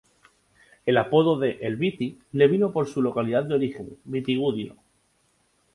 El apodo de "El Viti" le vino por su localidad de origen, Vitigudino.